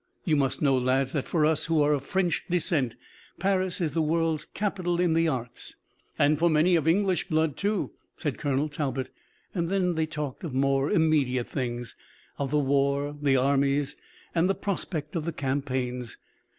You must know, lads, that for us who are of French descent, Paris is the world's capital in the arts." "And for many of English blood, too," said Colonel Talbot. Then they talked of more immediate things, of the war, the armies and the prospect of the campaigns.